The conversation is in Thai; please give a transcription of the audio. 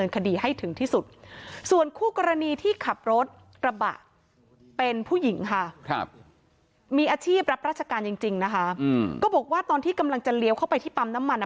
ก็บอกว่าตอนที่กำลังจะเลี้ยวเข้าไปที่ปั๊มน้ำมันอ่ะ